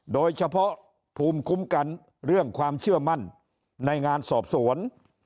โดยเฉพาะภูมิคุ้มกันเรื่องความเชื่อมั่นในงานสอบสวน